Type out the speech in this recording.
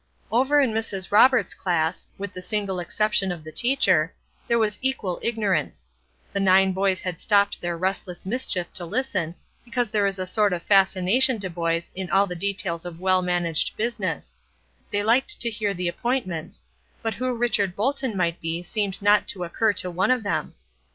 Over in Mrs. Roberts' class, with the single exception of the teacher, there was equal ignorance; the nine boys had stopped their restless mischief to listen, because there is a sort of fascination to boys in all the details of well managed business; they liked to hear the appointments; but who Richard Bolton might be seemed not to occur to one of them.